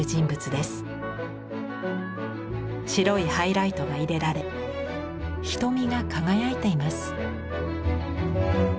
白いハイライトが入れられ瞳が輝いています。